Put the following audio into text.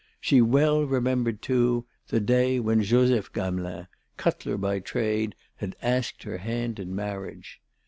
She well remembered too the day when Joseph Gamelin, cutler by trade, had asked her hand in marriage.